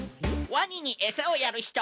ワニにエサをやるひと。